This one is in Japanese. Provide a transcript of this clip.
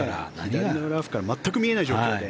左のラフから全く見えない状況で。